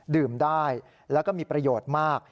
ดื่มได้แล้วก็มีประโยชน์มาก